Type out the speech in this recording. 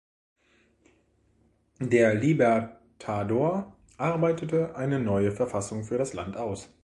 Der "Libertador" arbeitete eine neue Verfassung für das Land aus.